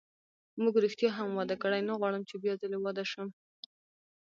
موږ ریښتیا هم واده کړی، نه غواړم چې بیا ځلي واده شم.